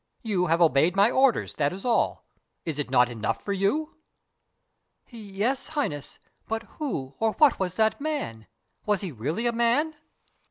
You have obeyed my orders; that is all. Is it not enough for you?" "Yes, Highness but who or what was that man? Was he really a man?"